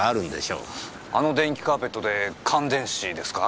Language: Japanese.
電気カーペットで感電死ですか？